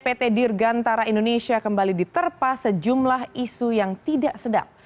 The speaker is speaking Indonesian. pt dirgantara indonesia kembali diterpa sejumlah isu yang tidak sedang